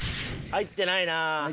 入ってない。